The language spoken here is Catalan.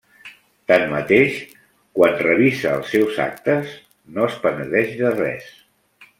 Tanmateix, quan revisa els seus actes, no es penedeix de res.